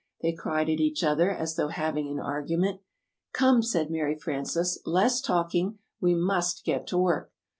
they cried at each other as though having an argument. "Come," said Mary Frances, "less talking. We must get to work."